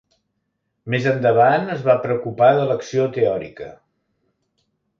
Més endavant es va preocupar de l'acció teòrica.